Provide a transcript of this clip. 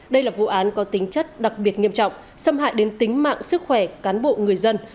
đây là vụ án có tính chất đặc biệt nghiêm trọng xâm hại đến tính mạng sức khỏe cán bộ người dân